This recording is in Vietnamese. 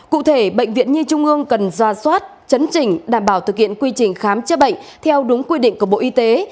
cụ thể bệnh viện nhi trung ương cần ra soát chấn trình đảm bảo thực hiện quy trình khám chữa bệnh theo đúng quy định của bộ y tế